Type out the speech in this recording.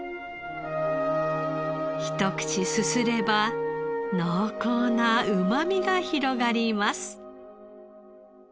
ひと口すすれば濃厚なうまみが広がります。